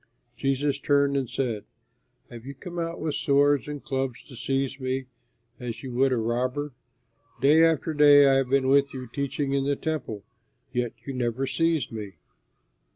Jesus turned and said, "Have you come out with swords and clubs to seize me as you would a robber? Day after day I have been with you teaching in the Temple, yet you never seized me."